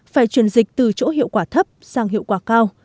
phải chuyển dịch từ chỗ hiệu quả thấp sang hiệu quả cao